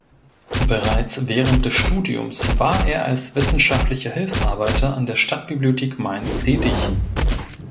Bereits während des Studiums war er als wissenschaftlicher Hilfsarbeiter an der Stadtbibliothek Mainz tätig.